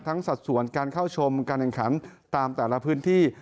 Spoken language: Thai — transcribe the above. สัดส่วนการเข้าชมการแข่งขันตามแต่ละพื้นที่